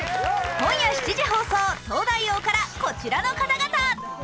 今夜７時放送、「東大王」からこちらの方々。